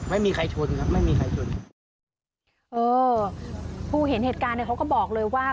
ไม่มีใครชนครับไม่มีใครชนเออผู้เห็นเหตุการณ์เนี่ยเขาก็บอกเลยว่า